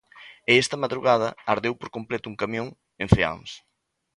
E esta madrugada ardeu por completo un camión en Feáns.